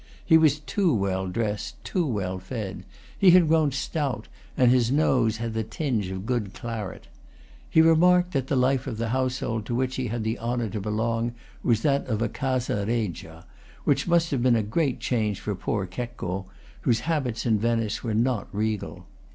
He was too well dressed, too well fed; he had grown stout, and his nose had the tinge of good claret. He re marked that the life of the household to which he had the honor to belong was that of a casa regia; which must have been a great change for poor Checco, whose habits in Venice were not regal.